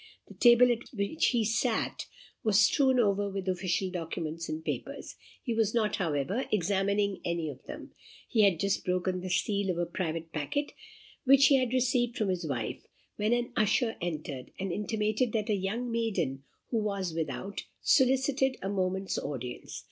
The table at which he sat was strewn over with official documents and papers. He was not, however, examining any of them, but had just broken the seal of a private packet which he had received from his wife, when an usher entered, and intimated that a young maiden, who was without, solicited a moment's audience.